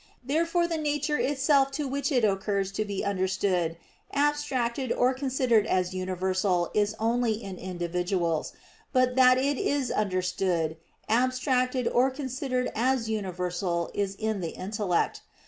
Therefore the nature itself to which it occurs to be understood, abstracted or considered as universal is only in individuals; but that it is understood, abstracted or considered as universal is in the intellect.